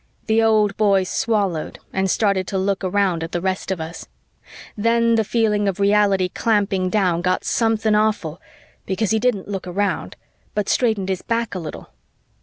The old boy swallowed and started to look around at the rest of us. Then the feeling of reality clamping down got something awful, because he didn't look around, but straightened his back a little.